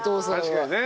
確かにね。